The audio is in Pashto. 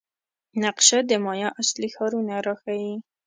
نقشه د مایا اصلي ښارونه راښيي.